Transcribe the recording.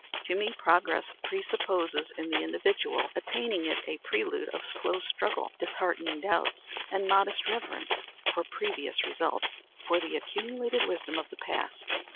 To me progress presupposes in the individual or the community attaining it a prelude of slow struggle, disheartening doubts, and modest reverence for previous results for the accumulated wisdom of the past."